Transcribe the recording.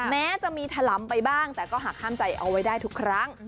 แม้จะมีถล้ำไปบ้างแต่ก็หากห้ามใจเอาไว้ได้ทุกครั้ง